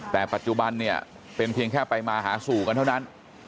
แต่ปัจจุบันเนี่ยเป็นเพียงแค่ไปมาหาสู่กันเท่านั้น